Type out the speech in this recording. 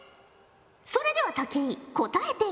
それでは武井答えてみよ。